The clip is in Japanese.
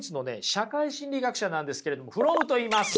社会心理学者なんですけれどもフロムといいます！